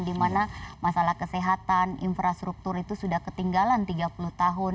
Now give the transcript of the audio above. dimana masalah kesehatan infrastruktur itu sudah ketinggalan tiga puluh tahun